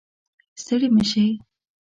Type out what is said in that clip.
ستړې مه شې